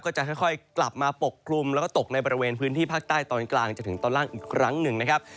จะค่อยกลับมาปกคลุมแล้วก็ตกในบริเวณพื้นที่ภาคใต้ตอนกลางจนถึงตอนล่างอีกครั้งหนึ่งนะครับ